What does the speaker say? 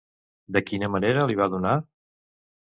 De quina manera li va donar?